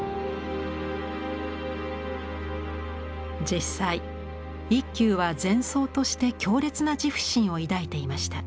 実際一休は禅僧として強烈な自負心を抱いていました。